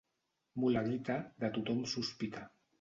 Mula guita, de tothom sospita.